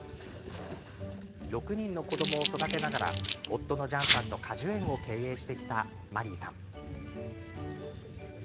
６人の子どもを育てながら夫のジャンさんと果樹園を経営してきたマリーさん。